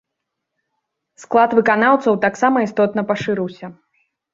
Склад выканаўцаў таксама істотна пашырыўся.